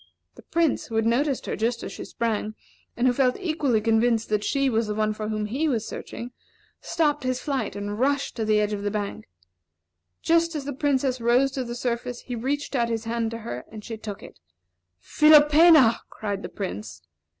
The Prince, who had noticed her just as she sprang, and who felt equally convinced that she was the one for whom he was searching, stopped his flight and rushed to the edge of the bank. Just as the Princess rose to the surface, he reached out his hand to her, and she took it. "Philopena!" cried the Prince.